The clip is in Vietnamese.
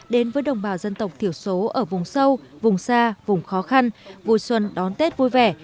đến với đồng bào dân tộc thiểu số ở vùng sâu vùng xa vùng khó khăn vui xuân đón tết vui vẻ